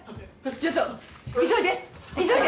ちょっと急いで急いで。